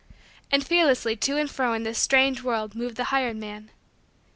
And fearlessly to and fro in this strange world moved the hired man.